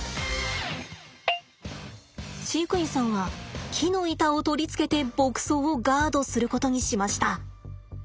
飼育員さんは木の板を取り付けて牧草をガードすることにしました。